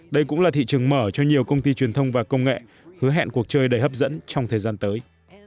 đây cũng là thị trường mở cho nhiều công ty truyền thông và công nghệ hứa hẹn cuộc chơi đầy hấp dẫn trong thời gian tới